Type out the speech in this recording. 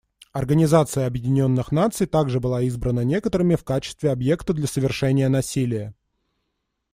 Организация Объединенных Наций также была избрана некоторыми в качестве объекта для совершения насилия.